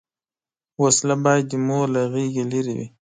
وسله باید د مور له غېږه لرې وي